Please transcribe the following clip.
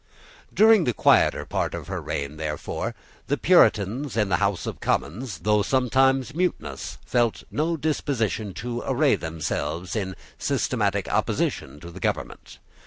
During the greater part of her reign, therefore, the Puritans in the House of Commons, though sometimes mutinous, felt no disposition to array themselves in systematic opposition to the government.